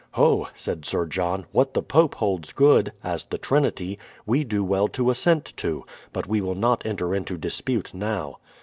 "Ho !" said Sir John, "what the pope holds good, — as the Trinity, — we do well to assent to; but we will not enter into dispute now."